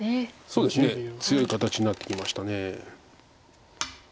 そうですね強い形になってきました。